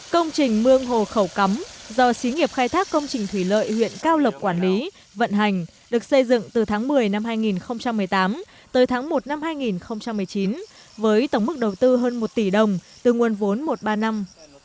công trình mương hồ khẩu cắm do xí nghiệp khai thác công trình thủy lợi huyện cao lộc quản lý vận hành được xây dựng từ tháng một mươi năm hai nghìn một mươi tám tới tháng một năm hai nghìn một mươi chín với tổng mức đầu tư hơn một tỷ đồng từ nguồn vốn một ba năm